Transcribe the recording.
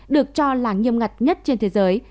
được cho là nghiêm ngặt nhất trên thế giới